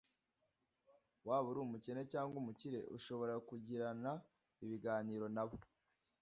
waba uri umukene cyangwa umukire ushobora kugirana ibiganiro nabo